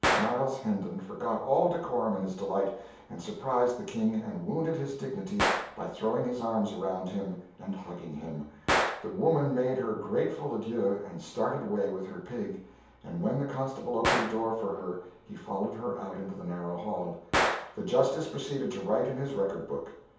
Miles Hendon forgot all decorum in his delight; and surprised the King and wounded his dignity, by throwing his arms around him and hugging him. The woman made her grateful adieux and started away with her pig; and when the constable opened the door for her, he followed her out into the narrow hall. The justice proceeded to write in his record book.